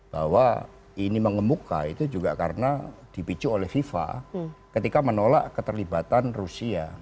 bahwa ini mengemuka itu juga karena dipicu oleh fifa ketika menolak keterlibatan rusia